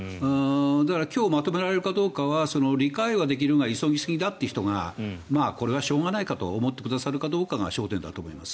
だから今日まとめられるかどうかは理解はできるが急ぎすぎたという人がこれはしょうがないと思ってくださるかどうか焦点だと思います。